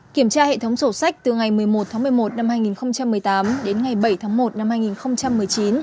kiểm tra hệ thống sổ sách từ ngày một mươi một tháng một mươi một năm hai nghìn một mươi tám đến ngày bảy tháng một năm hai nghìn một mươi chín